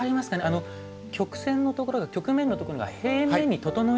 あの曲線のところが曲面のところが平面に整えられているんですよね。